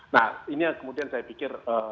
nah ini yang kemudian saya pikir